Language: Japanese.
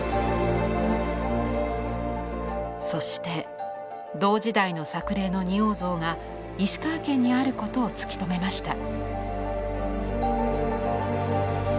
そして同時代の作例の仁王像が石川県にあることを突き止めました。